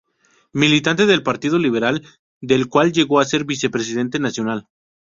Militante del Partido Liberal, del cual llegó a ser Vicepresidente Nacional.